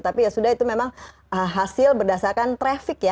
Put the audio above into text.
tapi ya sudah itu memang hasil berdasarkan trafik